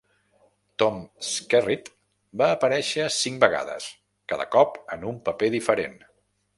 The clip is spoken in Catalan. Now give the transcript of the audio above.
Tom Skerritt va aparèixer cinc vegades, cada cop en un paper diferent.